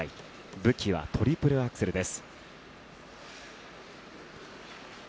武器はトリプルアクセルです。